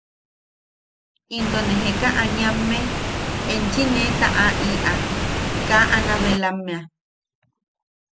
Into ne Jeka Aniamme enchi ne taʼaʼiʼa kaa Anabelammea.